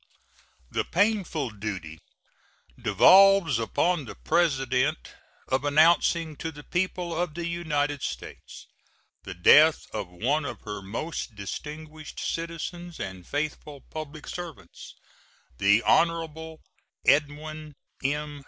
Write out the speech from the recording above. The painful duty devolves upon the President of announcing to the people of the United States the death of one of her most distinguished citizens and faithful public servants, the Hon. Edwin M.